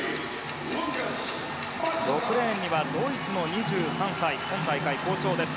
６レーンにはドイツの２３歳今大会好調です